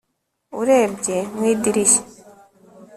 urebye mu idirishya